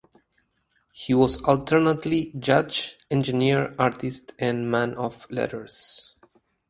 He was alternately judge, engineer, artist, and man of letters.